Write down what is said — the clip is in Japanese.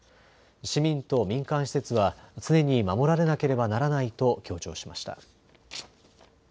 市民と民間施設は常に守られなければならないと強調しました。